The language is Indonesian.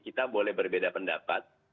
kita boleh berbeda pendapat